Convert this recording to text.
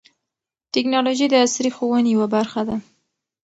ټیکنالوژي د عصري ښوونې یوه برخه ده.